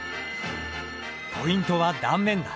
ポイントは断面だ。